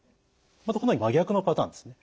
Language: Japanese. またこの真逆のパターンですね。